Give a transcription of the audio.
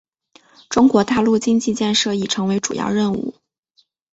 中国大陆经济建设已成为主要任务。